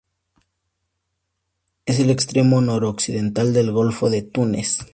Es el extremo noroccidental del golfo de Túnez.